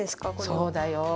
そうだよ。